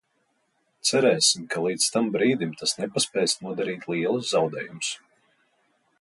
Cerēsim, ka līdz tam brīdim tas nepaspēs nodarīt lielus zaudējumus.